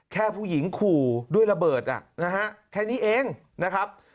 แค่ผู้หญิงขู่ด้วยระเบิดนะฮะแค่นี้เองนะครับ